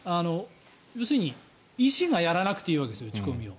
要するに医師がやらなくていいわけです打ち込みを。